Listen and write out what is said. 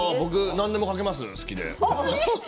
何でもかけます、好きで。